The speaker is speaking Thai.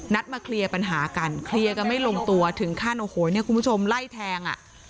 มาเคลียร์ปัญหากันเคลียร์กันไม่ลงตัวถึงขั้นโอ้โหเนี่ยคุณผู้ชมไล่แทงอ่ะ